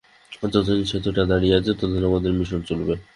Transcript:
যতদিন সেতুটা দাঁড়িয়ে আছে, ততদিন আমাদের মিশন চলবে।